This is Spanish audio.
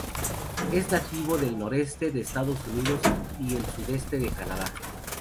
Es nativo del noreste de Estados Unidos y el sudeste de Canadá.